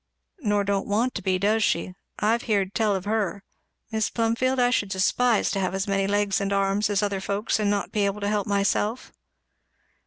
"Nor don't want to be, does she? I've heerd tell of her. Mis' Plumfield, I should despise to have as many legs and arms as other folks and not be able to help myself!"